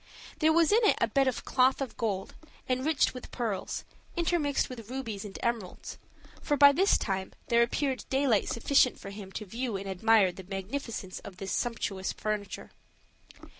There was in it a bed of cloth of gold, enriched with pearls, intermixed with rubies and emeralds: for by this time there appeared daylight sufficient for him to view and admire the magnificence of this sumptuous furniture.